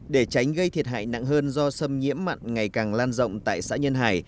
để tránh gây thiệt hại nặng hơn do sâm nhiễm mặn ngày càng lan rộng tại xã nhân hải